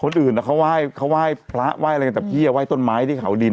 คนอื่นอะเขาไหว้พระไหว้อะไรกันแบบเยี่ยมไหว้ต้นไม้ที่เขาดิน